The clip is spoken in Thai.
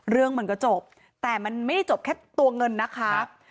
เรื่องมันก็จบแต่มันไม่ได้จบแค่ตัวเงินนะคะ